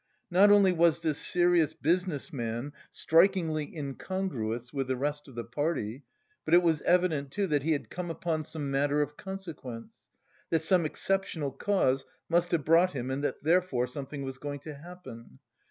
Not only was this "serious business man" strikingly incongruous with the rest of the party, but it was evident, too, that he had come upon some matter of consequence, that some exceptional cause must have brought him and that therefore something was going to happen.